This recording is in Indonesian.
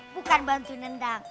bukan bantuin nendang